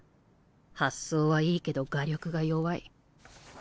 発想はいいけど画力が弱い。